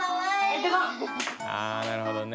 あなるほどね。